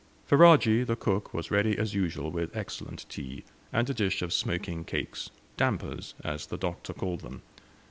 Ferajji, the cook, was ready as usual with excellent tea, and a dish of smoking cakes; "dampers," as the Doctor called them.